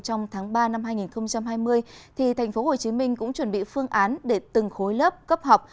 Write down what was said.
trong tháng ba năm hai nghìn hai mươi tp hcm cũng chuẩn bị phương án để từng khối lớp cấp học